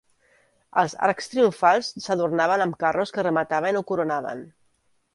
Els arcs triomfals s'adornaven amb carros que remataven o coronaven.